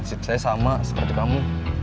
maksud saya sama seperti kamu